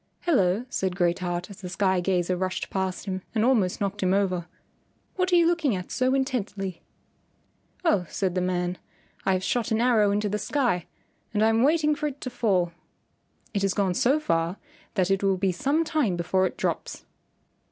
"Hello," said Great Heart as the sky gazer rushed past him and almost knocked him over, "what are you looking at so intently?" "Oh," said the man, "I have shot an arrow into the sky and I am waiting for it to fall. It has gone so far that it will be some time before it drops."